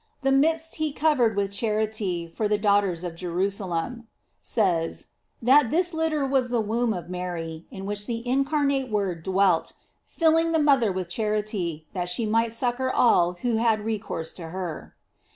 . the midst he covered with charity for the daughters of Jerusalem,"* says, that this lit ter was the womb of Mary, in which the incar nate Word dwelt, filling the mother with char ity, that she might succor all who had recourse to her.